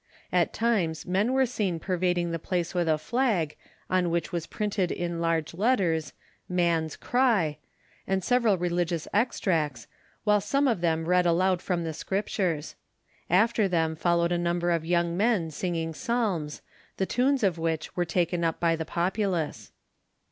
At times men were seen pervading the place with a flag, on which was printed in large letters "Man's Cry," and several religious extracts, while some of them read aloud from the Scriptures. After them followed a number of young men singing psalms, the tunes of which were taken up by the populace.